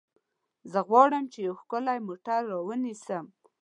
زه غواړم چې یو ښکلی موټر رانیسم.